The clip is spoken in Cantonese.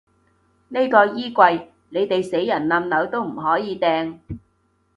呢個衣櫃，你哋死人冧樓都唔可以掟